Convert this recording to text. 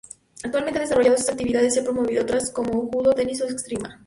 Actualmente, ha desarrollado esas actividades y ha promovido otras como judo, tenis o esgrima.